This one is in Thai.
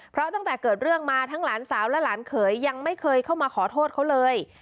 เพราะตั้งแต่เกิดเรื่องมาทั้งหลานสาวและหลานเขยยังไม่เคยเข้ามาขอโทษเขาเลย